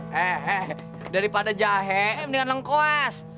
hei daripada jahe mendingan lengkoas